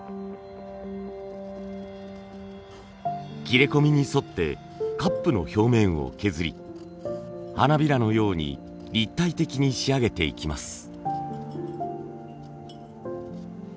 切れ込みに沿ってカップの表面を削り花びらのように立体的に仕上げていきます。